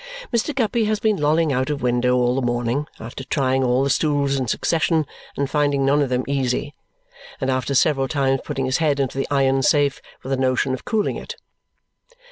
Mr. Guppy has been lolling out of window all the morning after trying all the stools in succession and finding none of them easy, and after several times putting his head into the iron safe with a notion of cooling it.